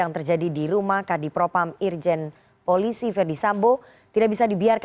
terima kasih pak